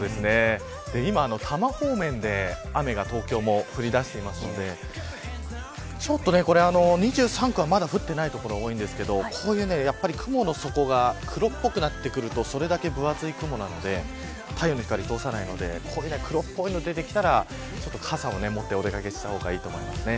今、多摩方面で雨が東京も降りだしてますので２３区はまだ降っていない所が多いですがこういう、雲の底が黒っぽくなってくるとそれだけ厚い雲なので太陽の光を通さないので黒っぽいのが出てきたら傘を持ってお出掛けした方がいいと思います。